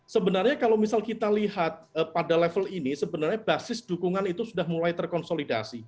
sebenarnya kalau misal kita lihat pada level ini sebenarnya basis dukungan itu sudah mulai terkonsolidasi